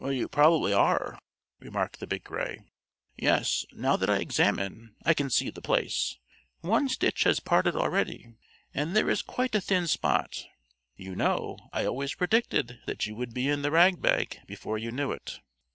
"You probably are," remarked the Big Gray. "Yes, now that I examine, I can see the place. One stitch has parted already, and there is quite a thin spot. You know I always predicted that you would be in the rag bag before you knew it."